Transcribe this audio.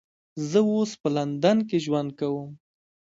زه اوس په لندن کې ژوند کوم